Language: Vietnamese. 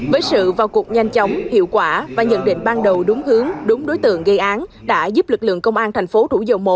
với sự vào cuộc nhanh chóng hiệu quả và nhận định ban đầu đúng hướng đúng đối tượng gây án đã giúp lực lượng công an thành phố thủ dầu một